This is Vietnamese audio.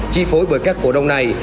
chi phối với các cổ đông này